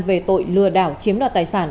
về tội lừa đảo chiếm đoạt tài sản